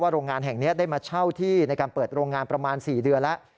โรงงานแห่งนี้ได้มาเช่าที่ในการเปิดโรงงานประมาณ๔เดือนแล้ว